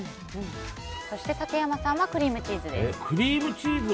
そして竹山さんはクリームチーズです。